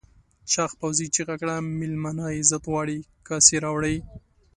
چاغ پوځي چیغه کړه مېلمانه عزت غواړي کاسې راوړئ.